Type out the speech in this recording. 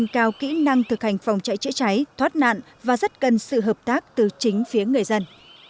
có kỹ năng thực hành phòng chạy chữa cháy thoát nạn và rất cần sự hợp tác từ chính phía người dân